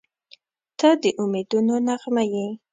• ته د امیدونو نغمه یې.